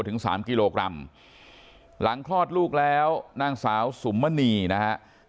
ถึงสามกิโลกรัมหลังคลอดลูกแล้วนางสาวสุมมณีนะครับ